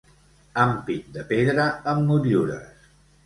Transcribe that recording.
Ampit de pedra amb motllures.